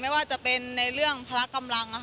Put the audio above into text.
ไม่ว่าจะเป็นในเรื่องพละกำลัง